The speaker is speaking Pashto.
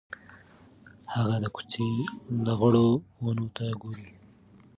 هغه د کوڅې لغړو ونو ته ګوري.